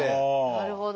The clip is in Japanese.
なるほど。